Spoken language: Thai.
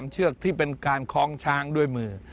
เชือกที่เป็นการคล้องช้างด้วยมือ